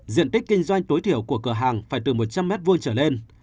diện tích kinh doanh tối thiểu của cửa hàng phải từ một trăm linh m hai trở lên